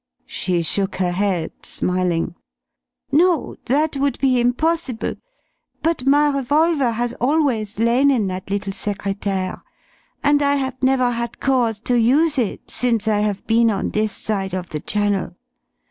She shook her head, smiling. "No that would be impossible. But my revolver has always lain in that little secrétaire, and I have never had cause to use it since I have been on this side of the Channel.